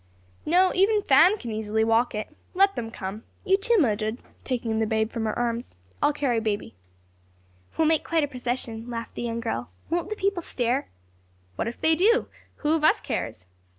"No; even Fan can easily walk it. Let them come. You, too, Mildred," taking the babe from her arms. "I'll carry baby." "We'll make quite a procession," laughed the young girl. "Won't the people stare?" "What if they do? who of us cares?"